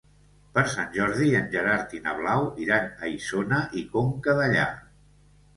Per Sant Jordi en Gerard i na Blau iran a Isona i Conca Dellà.